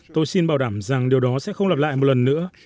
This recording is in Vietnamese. tôi xin bảo đảm rằng điều đó sẽ không lặp lại một lần nữa